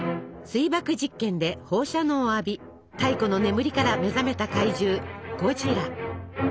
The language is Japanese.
水爆実験で放射能を浴び太古の眠りから目覚めた怪獣ゴジラ。